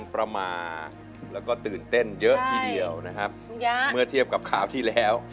กลับมานั่งก่อนนะฮะตัดสั่นเลยนะฮะ